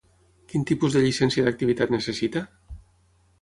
Quin tipus de llicència d'activitat necessita?